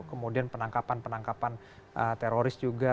kemudian penangkapan penangkapan teroris juga